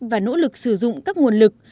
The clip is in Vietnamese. và nỗ lực sử dụng các nguồn lực